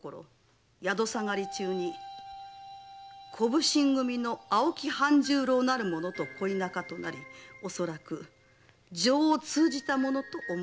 宿下がり中に小普請組の青木半十郎なる者と恋仲となりおそらく情を通じたものと思われまする。